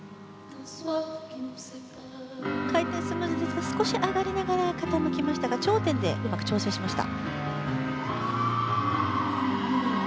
回転、少し上がりながら傾きましたが、頂点でうまく調整しました。